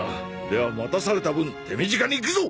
では待たされた分手短にいくぞ！